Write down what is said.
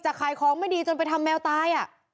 ขายของไม่ดีจนไปทำแมวตาย